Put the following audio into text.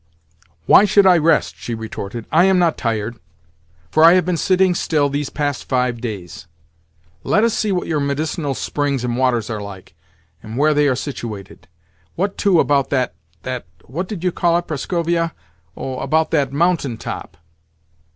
"Why should I rest?" she retorted. "I am not tired, for I have been sitting still these past five days. Let us see what your medicinal springs and waters are like, and where they are situated. What, too, about that, that—what did you call it, Prascovia?—oh, about that mountain top?"